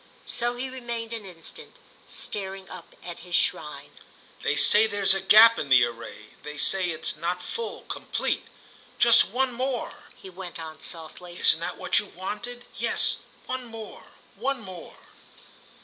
So he remained an instant, staring up at his shrine. "They say there's a gap in the array—they say it's not full, complete. Just one more," he went on, softly—"isn't that what you wanted? Yes, one more, one more."